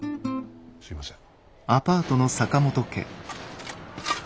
すいません。